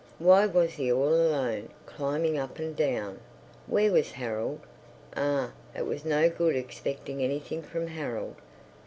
Why was he all alone, climbing up and down? Where was Harold? Ah, it was no good expecting anything from Harold.